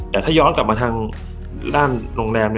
แต่ถ้าย้อนกลับมาทางด้านโรงแรม